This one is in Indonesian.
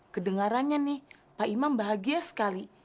kedengarannya nih pak imam bahagia sekali